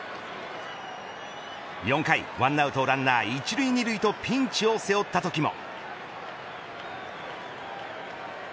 ４回、１アウトランナー１塁２塁とピンチを背負ったときも。